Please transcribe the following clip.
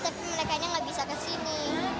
tapi mereka gak bisa kesini